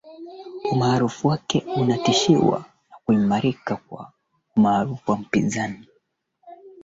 wagonjwa wa kisukari wa kike wanaweza kuwa na kichocho